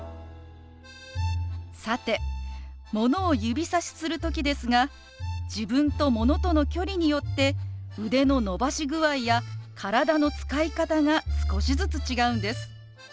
さてものを指さしする時ですが自分とものとの距離によって腕の伸ばし具合や体の使い方が少しずつ違うんです。